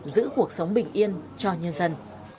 giữ cuộc sống bình yên cho nhân dân